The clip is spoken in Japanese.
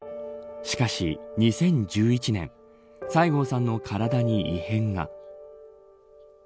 しかし、２０１１年西郷さんの体に異変が。